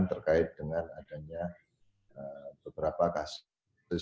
terkait dengan adanya beberapa kasus